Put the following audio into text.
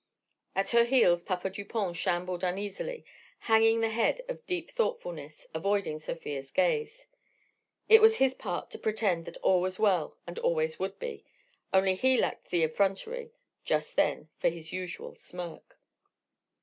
At her heels Papa Dupont shambled uneasily, hanging the head of deep thoughtfulness, avoiding Sofia's gaze. It was his part to pretend that all was well and always would be; only he lacked the effrontery, just then, for his usual smirk.